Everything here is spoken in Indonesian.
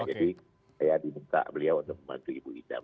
jadi saya diminta beliau untuk membantu ibu ida